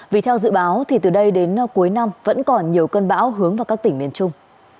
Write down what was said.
vì theo dự báo thì từ đây đến cuối năm vẫn còn nhiều cơn bão hướng vào các tỉnh miền trung